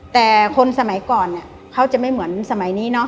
แต่คนสมัยก่อนเขาจะไม่เหมือนสมัยนี้เนาะ